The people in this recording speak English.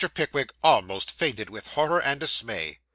Pickwick almost fainted with horror and dismay.